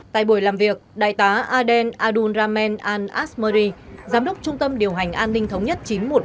tại buổi làm việc đại tá aden adunramen an asmari giám đốc trung tâm điều hành an ninh thống nhất chín trăm một mươi một